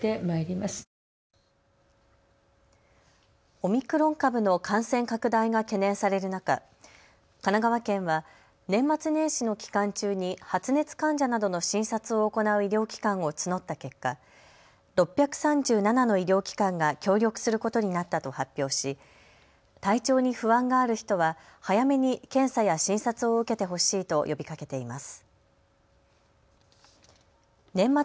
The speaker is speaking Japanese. オミクロン株の感染拡大が懸念される中、神奈川県は年末年始の期間中に発熱患者などの診察を行う医療機関を募った結果、６３７の医療機関が協力することになったと発表し体調に不安がある人は早めに検査や診察を受けてほしいと呼びかけています。